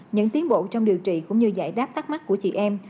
những tiến bộ trong điều trị cũng như giải đáp thắc mắc của chị em